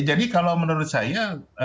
jadi kalau menurut saya